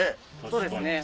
そうですね。